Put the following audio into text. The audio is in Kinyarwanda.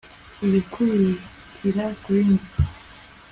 ibikurikira kuri njye